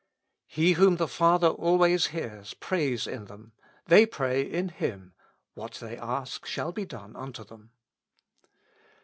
He whom the Father always hears prays in them; they pray in Him : what they ask shall be done unto them.